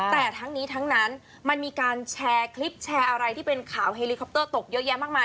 แต่ทั้งนี้ทั้งนั้นมันมีการแชร์คลิปแชร์อะไรที่เป็นข่าวเฮลิคอปเตอร์ตกเยอะแยะมากมาย